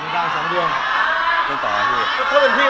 กิเลนพยองครับ